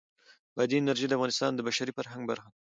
بادي انرژي د افغانستان د بشري فرهنګ برخه ده.